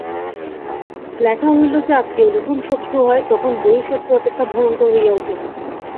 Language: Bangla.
লেখা হইল যে, আত্মীয় যখন শত্রু হয় তখন বহিঃশত্রু অপেক্ষা ভয়ংকর হইয়া উঠে।